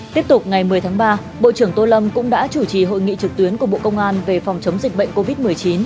tiếp tục ngày một mươi tháng ba bộ trưởng tô lâm cũng đã chủ trì hội nghị trực tuyến của bộ công an về phòng chống dịch bệnh covid một mươi chín